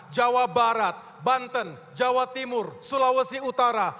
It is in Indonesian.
jawa barat banten jawa timur sulawesi utara